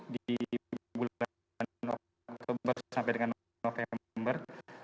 di bulan oktober sampai dengan november